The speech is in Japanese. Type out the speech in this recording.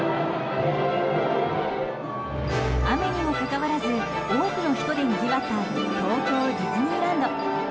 雨にもかかわらず多くの人でにぎわった東京ディズニーランド。